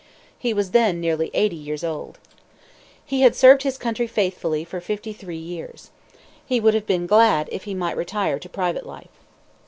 He was then nearly eighty years old. He had served his country faithfully for fifty three years. He would have been glad if he might retire to private life.